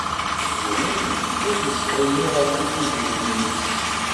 Yiwen ur ittḥunnu ɣef yigujilen-is!